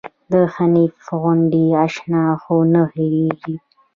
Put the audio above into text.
د حنيف غوندې اشنا خو نه هيريږي